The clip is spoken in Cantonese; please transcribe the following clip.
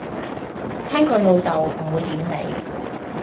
聽佢老竇，唔會點你